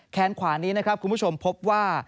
ขวานี้นะครับคุณผู้ชมพบว่า